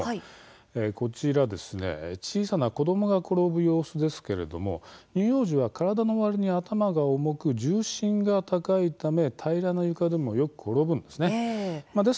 こちら小さな子どもが転ぶ様子ですが乳幼児は体のわりに頭が重く重心が高いため平らな床でもよく転ぶんです。